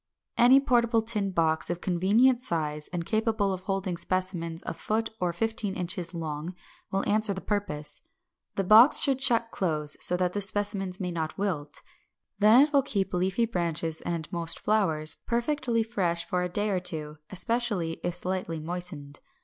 Any portable tin box of convenient size, and capable of holding specimens a foot or fifteen inches long, will answer the purpose. The box should shut close, so that the specimens may not wilt: then it will keep leafy branches and most flowers perfectly fresh for a day or two, especially if slightly moistened.